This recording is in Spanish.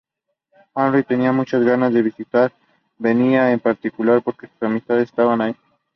Haydn tenía muchas ganas de visitar Viena en particular porque sus amistades estaban allí.